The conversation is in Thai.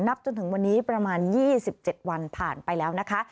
จนถึงวันนี้ประมาณ๒๗วันผ่านไปแล้วนะคะ